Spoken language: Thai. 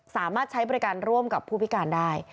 สามารถใช้บริการร่วมกับผู้พิการได้